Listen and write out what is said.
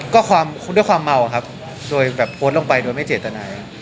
ก็ความด้วยความเมาครับโดยแบบโพสต์ลงไปโดยไม่เจตนา